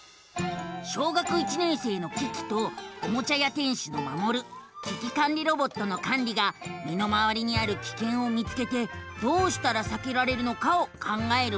小学１年生のキキとおもちゃ屋店主のマモル危機管理ロボットのカンリがみのまわりにあるキケンを見つけてどうしたらさけられるのかを考える番組なのさ。